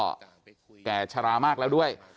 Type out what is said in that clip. จะแชรามากแล้วด้วย